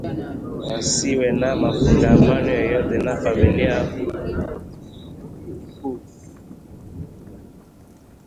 wasiwe na mafungamano yoyote na familia kuukuu